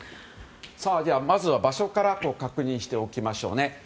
まずは場所から確認しておきましょう。